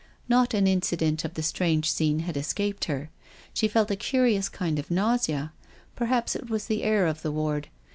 Not an incident of the strange scene had escaped her. She felt a curious kind of nausea; perhaps it was the air of the ward.